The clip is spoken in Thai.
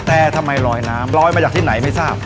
แต่ทำไมลอยน้ำลอยมาจากที่ไหนไม่ทราบ